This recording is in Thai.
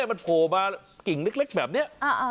ะมากิ่งเล็กแบบนี้